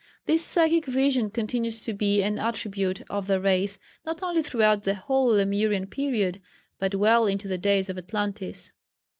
This psychic vision continued to be an attribute of the race not only throughout the whole Lemurian period, but well into the days of Atlantis.